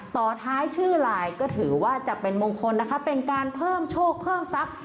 ต่อท้ายชื่อลายก็ถือว่าจะเป็นมงคลนะคะเป็นการเพิ่มโชคเพิ่มทรัพย์